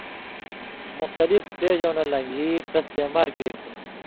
مُختلِف سٹېجؤں نہ لن٘گھی تس بیمار کیریۡ تُھو۔